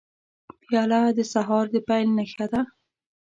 پیاله د سهار د پیل نښه ده.